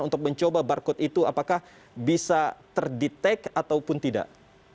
untuk mencoba barcode itu apakah bisa terdetek ataupun tidak